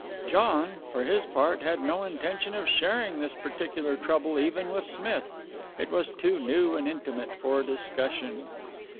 John, for his part, had no intention of sharing this particular trouble even with Smith. It was too new and intimate for discussion.